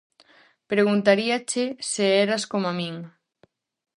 Preguntaríache se eras coma min.